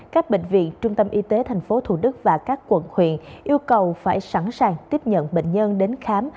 các bệnh viện trung tâm y tế tp thủ đức và các quận huyện yêu cầu phải sẵn sàng tiếp nhận bệnh nhân đến khám